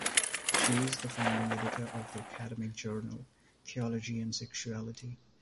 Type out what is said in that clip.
She is the founding editor of the academic journal "Theology and Sexuality".